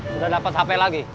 udah dapet hp lagi